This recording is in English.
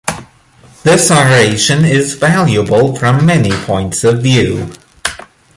This oration is valuable from many points of view.